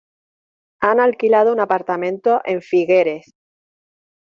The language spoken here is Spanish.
Han alquilado un apartamento en Figueres.